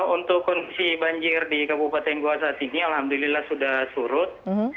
untuk kondisi banjir di kabupaten goa saat ini alhamdulillah sudah surut